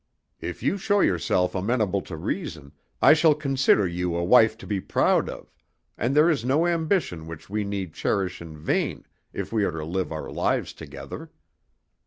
If you show yourself amenable to reason I shall consider you a wife to be proud of, and there is no ambition which we need cherish in vain if we are to live our lives together.